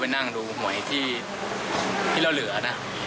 นั่งดูหวยที่เราเหลือนะ